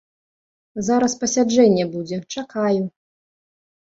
Зараз пасяджэнне будзе, чакаю.